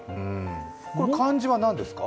この漢字は何ですか？